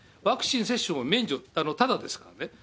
ワクチン接種も免除、ただですからね。